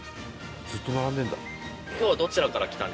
ずっと並んでるんだ。